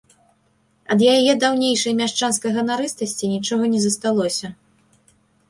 Ад яе даўнейшай мяшчанскай ганарыстасці нічога не засталося.